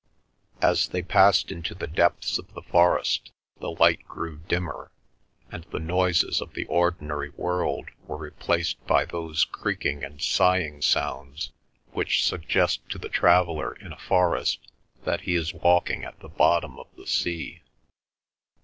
As they passed into the depths of the forest the light grew dimmer, and the noises of the ordinary world were replaced by those creaking and sighing sounds which suggest to the traveller in a forest that he is walking at the bottom of the sea.